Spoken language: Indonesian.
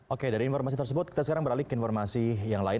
oke dari informasi tersebut kita sekarang beralih ke informasi yang lain